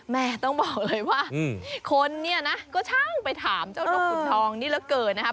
แม่ต้องบอกเลยว่าคนเนี่ยนะก็ช่างไปถามเจ้านกขุนทองนี่เหลือเกินนะครับ